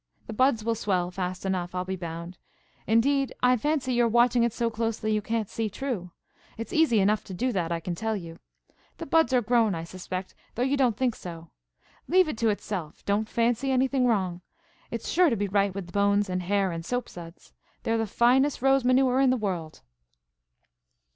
The buds will swell fast enough, I'll be bound. Indeed, I fancy you're watching it so closely you can't see true. It's easy enough to do that, I can tell you. The buds are grown, I suspect, though you don't think so. Leave it to itself. Don't fancy anything wrong. It's sure to be right with bones and hair and soap suds. They're the finest rose manure in the world."